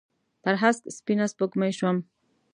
پر هسک سپینه سپوږمۍ شوم